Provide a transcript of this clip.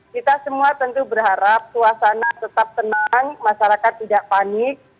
kita semua tentu berharap suasana tetap tenang masyarakat tidak panik